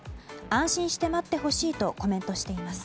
安心して待ってほしいとコメントしています。